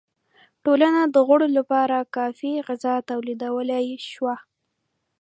ټولنه د غړو لپاره کافی غذا تولیدولای شوه.